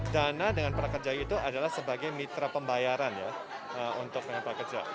dana dengan prakerja itu adalah sebagai mitra pembayaran ya untuk prakerja